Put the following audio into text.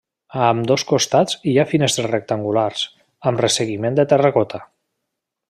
A ambdós costats hi ha finestres rectangulars, amb resseguiment de terracota.